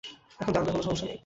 এখন জানলেও কোন সমস্যা নেই।